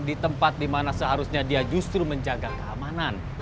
di tempat di mana seharusnya dia justru menjaga keamanan